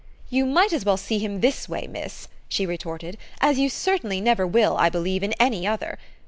"You might as well see him this way, miss," she retorted, "as you certainly never will, I believe, in any other!